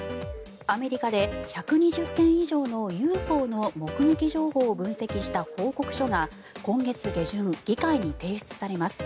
アメリカで１２０件以上のＵＦＯの目撃情報を分析した報告書が今月下旬、議会に提出されます。